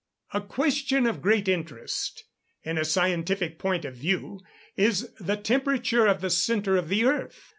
"A question of great interest, in a scientific point of view, is the temperature of the centre of the earth.